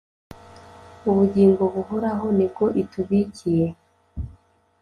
Ubugingo buhoraho nibwo itubikiye